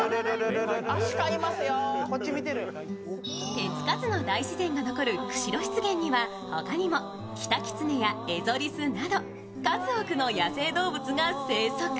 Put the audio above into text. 手つかずの大自然が残る釧路湿原には他にもキタキツネやエゾリスなど数多くの野生動物が生息。